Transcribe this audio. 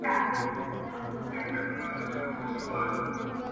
بلا ترې زیږي بلا پر اوري `